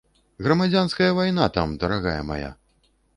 Грамадзянская вайна там, дарагая мая!